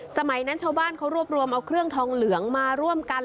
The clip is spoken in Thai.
สมัยนั้นชาวบ้านเขารวบรวมเอาเครื่องทองเหลืองมาร่วมกัน